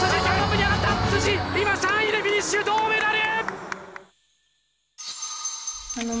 今３位でフィニッシュ銅メダル！